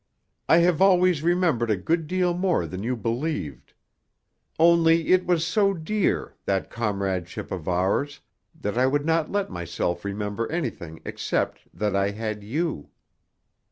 I have always remembered a good deal more than you believed. Only it was so dear, that comradeship of ours, that I would not let myself remember anything except that I had you.